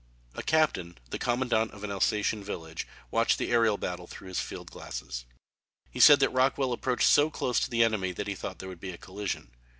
A captain, the commandant of an Alsatian village, watched the aërial battle through his field glasses. He said that Rockwell approached so close to the enemy that he thought there would be a collision.